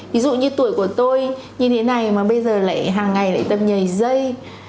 ví dụ như tuổi của tôi như thế này mà bây giờ lại hàng ngày lại tập nhảy dây